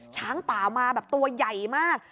ช้างป่ามาแบบตัวใหญ่มาก